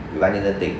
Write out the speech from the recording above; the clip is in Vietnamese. với ban nhân dân tỉnh